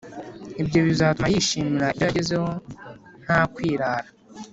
ibyo bizatuma yishimira ibyo yagezeho ntakwirara